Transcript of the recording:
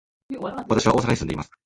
私は大阪に住んでいます。